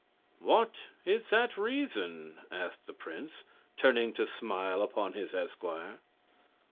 "What is that reason?" asked the prince, turning to smile upon his esquire.